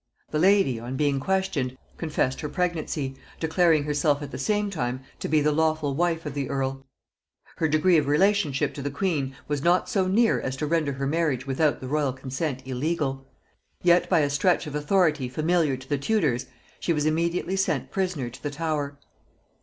The lady, on being questioned, confessed her pregnancy, declaring herself at the same time to be the lawful wife of the earl: her degree of relationship to the queen was not so near as to render her marriage without the royal consent illegal, yet by a stretch of authority familiar to the Tudors she was immediately sent prisoner to the Tower.